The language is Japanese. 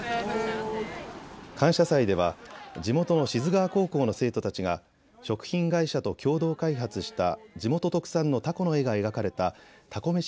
感謝祭では地元の志津川高校の生徒たちが食品会社と共同開発した地元特産のタコの絵が描かれたたこ